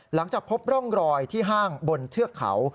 หลังจากพบร่องรอยที่ห้างบนเทือกเขา